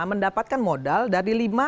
mendapatkan modal dari lima ratus